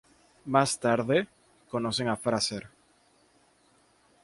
Más tarde, conocen a Fraser.